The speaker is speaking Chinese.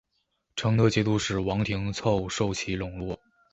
成德节度使王廷凑受其笼络。